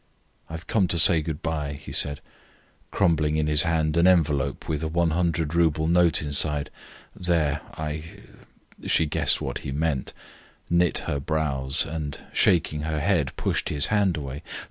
"I have come to say good bye," he said, crumbling in his hand an envelope with a 100 rouble note inside. "There, I ..." She guessed what he meant, knit her brows, and shaking her head pushed his hand away.